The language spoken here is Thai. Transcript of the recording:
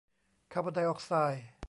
คาร์บอนไดออกไซด์